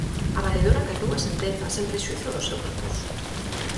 A valedora acatou a sentenza, sen prexuízo do seu recurso.